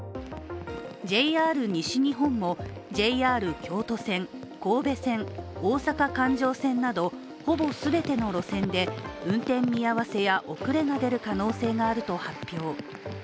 ＪＲ西日本も、ＪＲ京都線神戸線、大阪環状線などほぼ全ての路線で、運転見合わせや遅れの可能性が出ると発表。